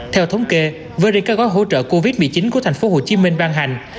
theo thống kê với riêng các gói hỗ trợ covid một mươi chín của tp hcm ban hành